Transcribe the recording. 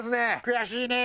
悔しいね！